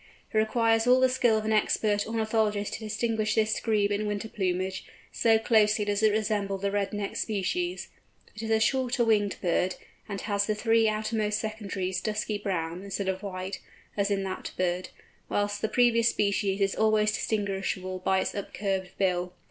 It requires all the skill of an expert ornithologist to distinguish this Grebe in winter plumage, so closely does it resemble the Red necked species. It is a shorter winged bird, and has the three outermost secondaries dusky brown, instead of white, as in that bird, whilst the previous species is always distinguishable by its up curved bill.